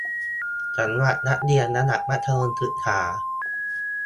สำหรับนักเรียนระดับมัธยมศึกษา